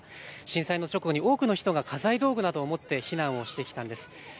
震災の直後に多くの人が家財道具などを持って避難をしてきたんです。